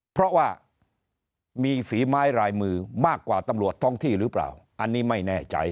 เพราะว่ามีฝีไม้ลายมือมากกว่าตำรวจท้องที่หรือเปล่าอันนี้ไม่แน่ใจ